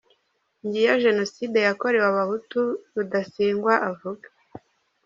Ngiyo Jenoside yakorewe abahutu Rudasingwa avuga